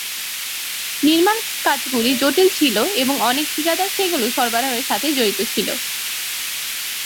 নির্মাণ কাজগুলি জটিল ছিল এবং অনেক ঠিকাদার সেগুলি সরবরাহের সাথে জড়িত ছিল।